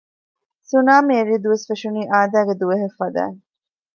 ސުނާމީ އެރި ދުވަސް ފެށުނީ އާދައިގެ ދުވަހެއް ފަދައިން